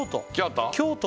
京都？